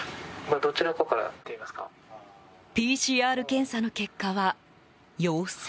ＰＣＲ検査の結果は陽性。